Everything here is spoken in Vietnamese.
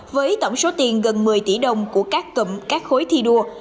với tổng số tiền gần một mươi tỷ đồng của các cụm các khối thi đua